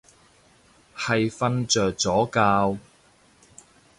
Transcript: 係瞓着咗覺